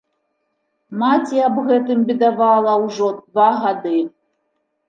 Маці аб гэтым бедавала ўжо два гады.